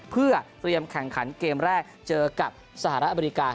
เพื่อเตรียมแข่งขันเกมแรกเจอกับสหรัฐอเมริกา